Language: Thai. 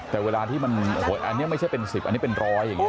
แต่เวลาที่มันโอ้โหอันนี้ไม่ใช่เป็นสิบอันนี้เป็นร้อย